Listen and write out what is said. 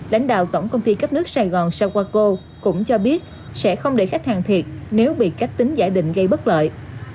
lãnh đạo tổng công ty cấp nước sài gòn sawako cũng cho biết sẽ không để khách hàng thiệt nếu bị cách tính giải định gây bất lợi